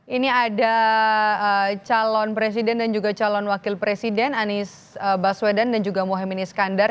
ini ada calon presiden dan juga calon wakil presiden anies baswedan dan juga mohaimin iskandar